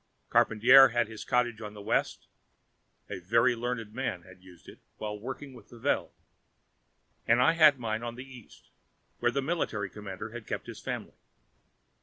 Charpantier had his cottage on the West a very learned man had used it, while working with the Veld and I had mine on the East, where a military commander had kept his family.